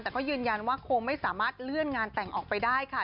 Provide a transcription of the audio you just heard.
แต่ก็ยืนยันว่าคงไม่สามารถเลื่อนงานแต่งออกไปได้ค่ะ